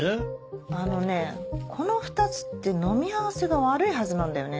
あのねこの２つって飲み合わせが悪いはずなんだよね。